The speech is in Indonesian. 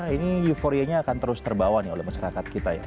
ini euforianya akan terus terbawa nih oleh masyarakat kita ya